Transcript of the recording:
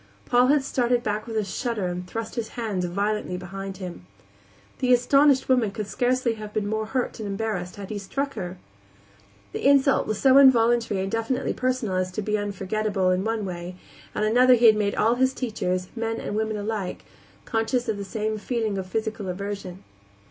Paul had started back with a shudder and thrust his hands violently behind him. The astonished woman could scarcely have been more hurt and embarrassed had he struck at her. The insult was so involuntary and definitely personal as to be unforgettable. In one way and another he had made all his teachers, men and women alike, conscious of the same feeling of physical aversion.